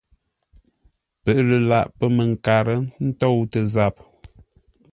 Pə́ lə laghʼ pə̂ mənkar ntôutə zap.